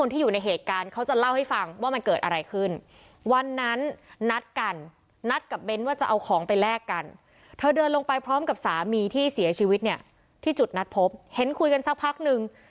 เธอเดินลงไปพร้อมกับสามีที่เสียชีวิตเนี่ยที่จุดนัดพบเห็นคุยกันสักพักนึง